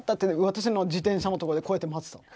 私の自転車のとこでこうやって待ってたの。